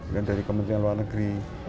dan dari kementerian luar negeri